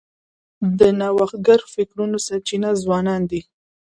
د نوښتګرو فکرونو سرچینه ځوانان دي.